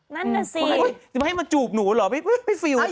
นั่นแหละสิโอ๊ยไม่ให้มาจูบหนูเหรอไม่ฟิวค่ะ